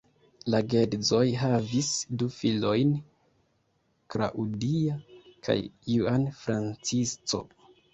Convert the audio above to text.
La geedzoj havis du filojn, Claudia kaj Juan Francisco.